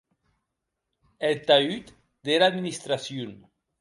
Eth taüt dera admistracion.